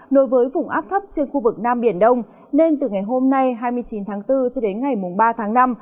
nối với vùng áp thấp trên khu vực nam biển đông nên từ ngày hôm nay hai mươi chín tháng bốn cho đến ngày ba tháng năm